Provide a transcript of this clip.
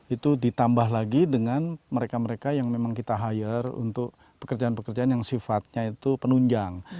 itu ditambah lagi dengan mereka mereka yang memang kita hire untuk pekerjaan pekerjaan yang sifatnya itu penunjang